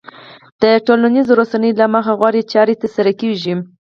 د ټولنيزو رسنيو له مخې غوره چارې ترسره کېږي.